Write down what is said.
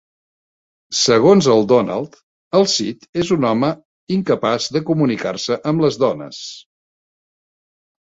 Segons el Donald, el Sid és un home incapaç de comunicar-se amb les dones.